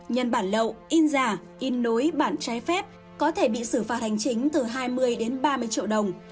nhân bản lậu in giả in nối bản trái phép có thể bị xử phạt hành chính từ hai mươi đến ba mươi triệu đồng